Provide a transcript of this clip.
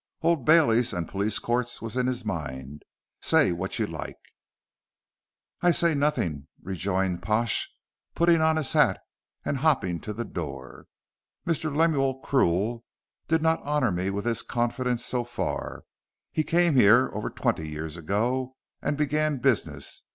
Old Baileys and police courts was in his mind, say what you like." "I say nothing," rejoined Pash, putting on his hat and hopping to the door. "Mr. Lemuel Krill did not honor me with his confidence so far. He came here, over twenty years ago and began business.